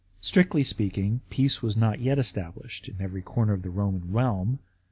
Strictly speaking, peace was not yet established in every corner of the Roman realm.